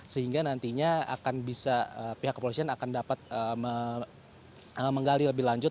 sehingga nantinya pihak kepolisian akan dapat menggali lebih lanjut